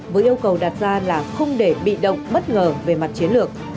với yêu cầu đặt ra là không để bị động bất ngờ về mặt chiến lược